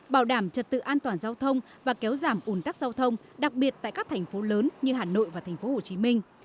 bảo đảm trật tự an toàn giao thông và kéo giảm ủn tắc giao thông đặc biệt tại các thành phố lớn như hà nội và thành phố hồ chí minh